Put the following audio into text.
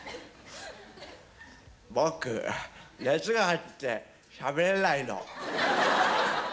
「僕熱があってしゃべれないの」。